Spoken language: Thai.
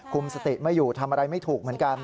สติไม่อยู่ทำอะไรไม่ถูกเหมือนกัน